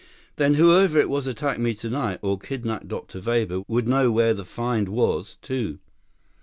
"Then whoever it was attacked me tonight, or kidnaped Dr. Weber, would know where the find was, too?"